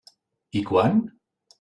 I quan?